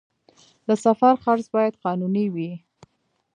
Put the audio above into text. د سفر خرڅ باید قانوني وي